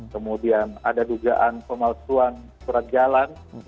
kemudian ada dugaan pemalsuan surat jalan